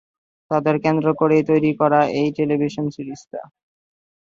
তাদের কেন্দ্র করেই তৈরি করা এই টেলিভিশন সিরিজটি।